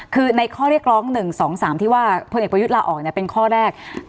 คือในข้อเรียกร้อง๑๒๓ที่ว่าพลเอกประยุทธ์ลาออกเป็นข้อแรก